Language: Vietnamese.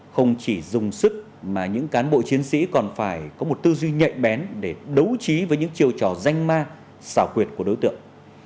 không chỉ dùng sức mà những cán bộ chiến sĩ còn phải có một tư duy nhạy bén để đấu trí với những chiêu trò danh ma xảo quyệt của đối tượng